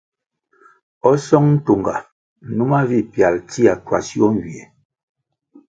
O Song Ntunga, numa vi pyalʼ tsia kwasio nywie.